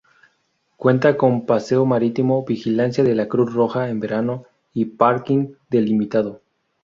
Cuenta con paseo marítimo, vigilancia de la Cruz Roja en verano y parking delimitado.